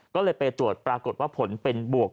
ก็เลยไปตรวจปรากฏว่าผลเป็นบวก